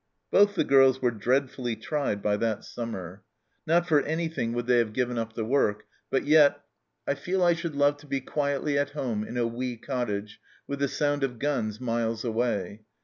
Both the girls were dreadfully tried by that summer. Not for anything would they have given THE STEENKERKE HUT 243 up the work, but yet, " I feel I should love to be quietly at home in a wee cottage with the sound of guns miles away.